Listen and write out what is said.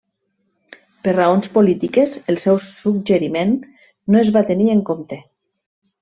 Per raons polítiques, el seu suggeriment no es va tenir en compte.